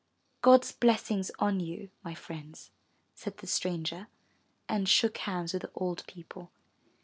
*'God's blessings on you, my friends,'' said the stranger and shook hands with the old people.